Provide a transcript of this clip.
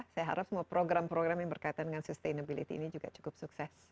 saya harap semua program program yang berkaitan dengan sustainability ini juga cukup sukses